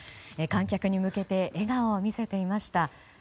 観客に向けて笑顔を見せていました。